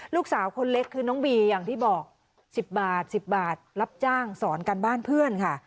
ลูกสาวคนเล็กคือน้องบีอย่างที่บอก๑๐บาท๑๐บาทรับจ้างสอนกันบ้านเพื่อนค่ะ